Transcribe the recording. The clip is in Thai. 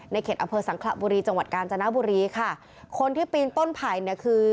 เขตอำเภอสังขระบุรีจังหวัดกาญจนบุรีค่ะคนที่ปีนต้นไผ่เนี่ยคือ